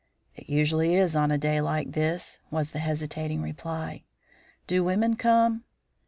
"It usually is on a day like this," was the hesitating reply. "Do women come?"